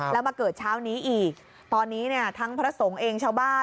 แล้วมาเกิดเช้านี้อีกตอนนี้เนี่ยทั้งพระสงฆ์เองชาวบ้าน